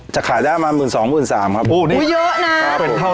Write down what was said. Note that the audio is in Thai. จะขายได้มา๑๒๐๐๐๑๓๐๐๐บาทครับ